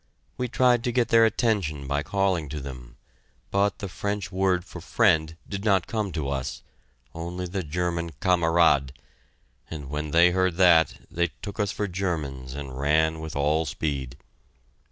We tried to get their attention by calling to them, but the French word for "friend" did not come to us, only the German "Kamerad," and when they heard that, they took us for Germans and ran with all speed.